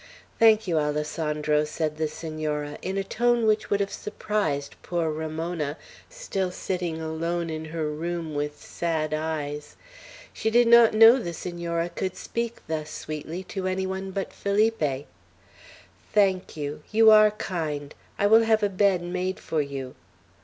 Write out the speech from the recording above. "Thank you, Alessandro," said the Senora, in a tone which would have surprised poor Ramona, still sitting alone in her room, with sad eyes. She did not know the Senora could speak thus sweetly to any one but Felipe. "Thank you! You are kind. I will have a bed made for you."